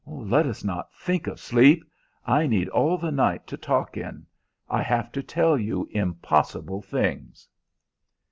"Let us not think of sleep! I need all the night to talk in. I have to tell you impossible things."